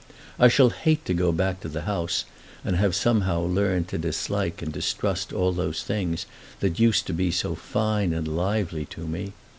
I shall hate to go back to the House, and have somehow learned to dislike and distrust all those things that used to be so fine and lively to me.